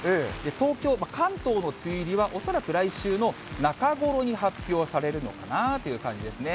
東京、関東の梅雨入りは、恐らく来週の中ごろに発表されるのかなという感じですね。